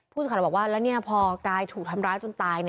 ผู้สิทธิ์ข่าวบอกว่าแล้วนี่พอกายถูกทำร้ายจนตาย